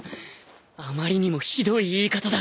あまりにもひどい言い方だ。